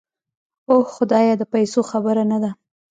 اوح خدايه د پيسو خبره نده.